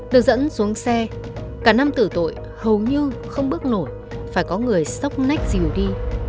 được dẫn xuống xe cả năm tử tội hầu như không bước nổi phải có người sốc nách dìu đi